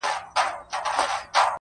• د سزا ورکولو او لاسونو -